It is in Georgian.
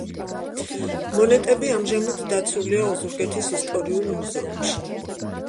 მონეტები ამჟამად დაცულია ოზურგეთის ისტორიულ მუზეუმში.